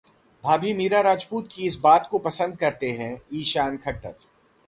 भाभी मीरा राजपूत की इस बात को पसंद करते हैं ईशान खट्टर